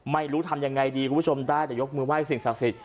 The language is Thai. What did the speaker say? ไม่รู้ทำยังไงดีคุณผู้ชมได้แต่ยกมือไห้สิ่งศักดิ์สิทธิ